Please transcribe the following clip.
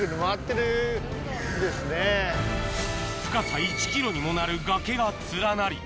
深さ１ｋｍにもなる崖が連なり